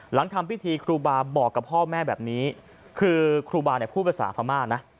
หลังทำพิธีครูบาบอกกับพ่อแม่แบบนี้คือครูบาเนี่ยพูดภาษาพม่านะ